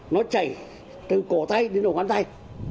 nó chảy từ cổ tay đến ngón tay